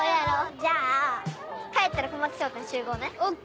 じゃあ帰ったら小松商店集合ね。ＯＫ！